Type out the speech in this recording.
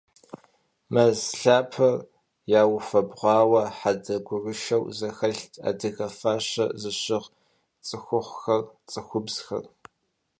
Мэз лъапэр яуфэбгъуауэ хьэдэ гурышэу зэхэлът адыгэ фащэ зыщыгъ цӀыхухъухэр, цӀыхубзхэр.